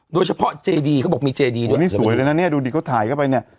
โดยเฉพาะเจดีเขาบอกมีเจดีด้วยนี่สวยเลยนะเนี่ยดูดิเขาถ่ายเข้าไปเนี่ย